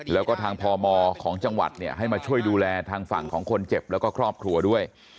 แล้วก็ทางพมของจังหวัดเนี่ยให้มาช่วยดูแลทางฝั่งของคนเจ็บแล้วก็ครอบครัวด้วย